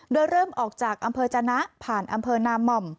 โดยเริ่มออกจากอำเภอจนะผ่านอำเภอนามหม่อม